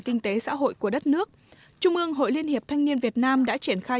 kinh tế xã hội của đất nước trung ương hội liên hiệp thanh niên việt nam đã triển khai